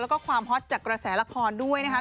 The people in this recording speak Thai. แล้วก็ความฮอตจากกระแสละครด้วยนะครับ